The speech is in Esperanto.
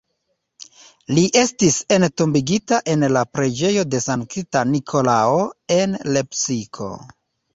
Li estis entombigita en la Preĝejo de Sankta Nikolao, en Lepsiko.